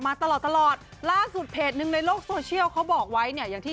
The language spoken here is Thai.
มาตลอดตลอดล่าสุดเพจหนึ่งในโลกโซเชียลเขาบอกไว้เนี่ยอย่างที่